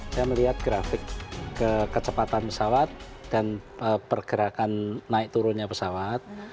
saya melihat grafik kecepatan pesawat dan pergerakan naik turunnya pesawat